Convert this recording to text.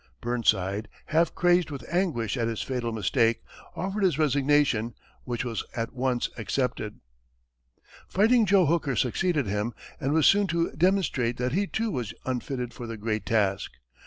Burnside, half crazed with anguish at his fatal mistake, offered his resignation, which was at once accepted. "Fighting Joe" Hooker succeeded him, and was soon to demonstrate that he, too, was unfitted for the great task.